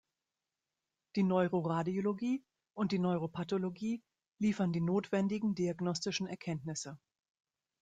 Die Neuroradiologie und die Neuropathologie liefern die notwendigen diagnostischen Erkenntnisse.